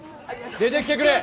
出てきてくれ。